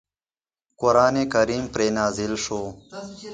قرآن کریم پرې نازل شو.